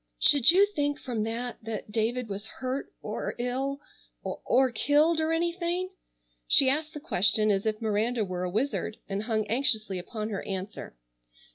"Should you think from that that David was hurt—or ill—or—or—killed—or anything?" She asked the question as if Miranda were a wizard, and hung anxiously upon her answer.